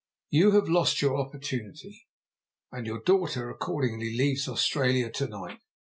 You have lost your opportunity, and your daughter accordingly leaves Australia to night.